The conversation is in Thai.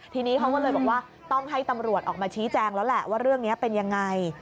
ทีนี้เขาก็เลยบอกว่าต้องให้ตำรวจออกมาชี้แจงแล้วแหละว่าเรื่องนี้เป็นยังไง